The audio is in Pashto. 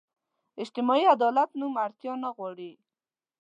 اجتماعي عدالت نوم اړتیا نه غواړو.